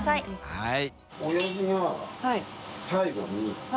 はい。